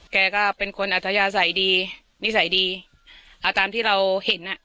แกก็เป็นคนอัธยาศัยดีนิสัยดีอ่าตามที่เราเห็นอ่ะ